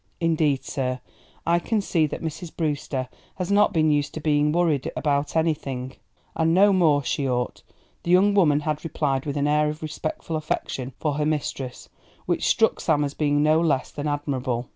"Indeed, sir, I can see that Mrs. Brewster has not been used to being worrited about anything, an' no more she ought," the young woman had replied with an air of respectful affection for her mistress which struck Sam as being no less than admirable.